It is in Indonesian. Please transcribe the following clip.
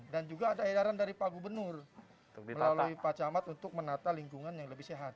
dan juga ada edaran dari pak gubernur melalui pak camat untuk menata lingkungan yang lebih sehat